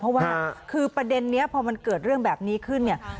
เพราะว่าคือประเด็นนี้พอมันเกิดเรื่องแบบนี้ขึ้นเนี่ย